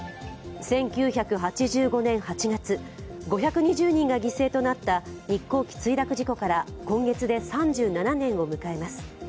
１９８５年８月、５２０人が犠牲となった日航機墜落事故から今月で３７年を迎えます。